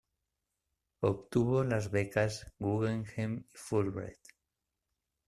Obtuvo las becas Guggenheim y Fulbright.